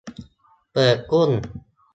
เปิดกุ้ง